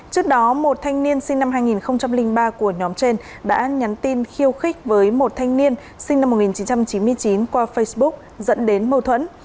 trước đó một thanh niên sinh năm hai nghìn ba của nhóm trên đã nhắn tin khiêu khích với một thanh niên sinh năm một nghìn chín trăm chín mươi chín qua facebook dẫn đến mâu thuẫn